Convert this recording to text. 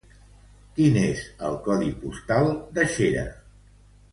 Quin és el codi postal de Xera?